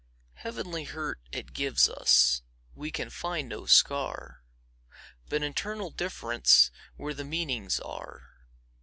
Heavenly hurt it gives us; We can find no scar, But internal differenceWhere the meanings are.